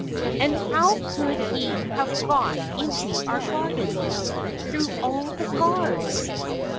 And how could he have got into our gardens, through all the guards